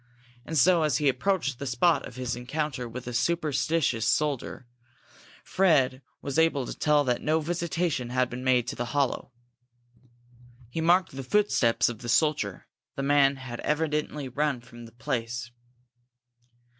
And so, as he approached the spot of his encounter with the superstitious soldier, Fred was able to tell that no visitation had been made to the hollow. He marked the footsteps of the soldier; the man had evidently run from the place.